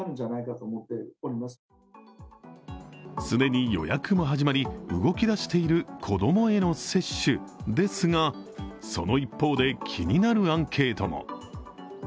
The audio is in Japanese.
既に予約も始まり動き出している子供への接種ですが、その一方で気になるアンケートも。